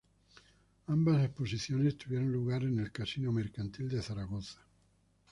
Ambas exposiciones tuvieron lugar en el Casino Mercantil de Zaragoza.